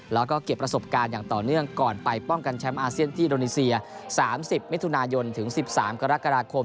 แล้วก็เก็บประสบการณ์อย่างต่อเนื่องก่อนไปป้องกันแชมป์อาเซียนที่อินโดนีเซีย๓๐มิถุนายนถึง๑๓กรกฎาคม